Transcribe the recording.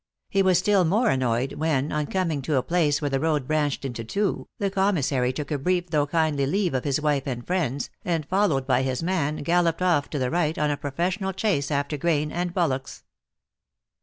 He was still more annoyed, w r hen, on coming to a place where the road branched into two, tlu: commissary took a brief though kindly leave of his wife and friends, and, followed by his man, gallop THE ACTRESS IN HIGH LIFE. 191 ed off to the right, on a professional chase after grain and bullocks.